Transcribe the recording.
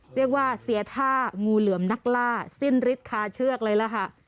เรียกว่าเสียท่างูเหลือมนักล่าสิ้นฤทธิคาเชือกเลยล่ะค่ะ